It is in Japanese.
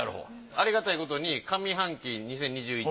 ありがたいことに上半期２０２１